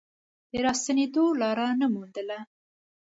د راستنېدو لاره نه موندله.